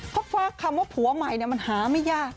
เพราะว่าคำว่าผัวใหม่เนี่ยมันหาไม่ยาก